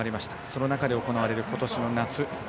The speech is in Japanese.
その中で行われる今年の夏。